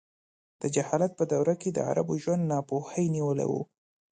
د جهالت په دوره کې د عربو ژوند ناپوهۍ نیولی و.